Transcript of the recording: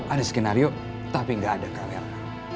ada skenario tapi gak ada karyalah